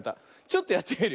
ちょっとやってみるよ。